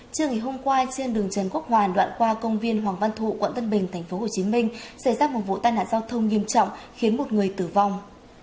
trưa ngày hôm qua trên đường trần quốc hòa đoạn qua công viên hoàng văn thụ quận tân bình tp hcm xảy ra một vụ tai nạn giao thông nghiêm trọng khiến một người tử vong